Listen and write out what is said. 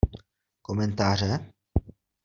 Komentáře?